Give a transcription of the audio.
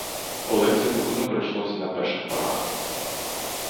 Олексі трудно прийшлося на перших порах.